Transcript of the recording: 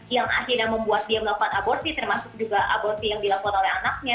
yang akhirnya membuat dia melakukan aborsi termasuk juga aborsi yang dilakukan oleh anaknya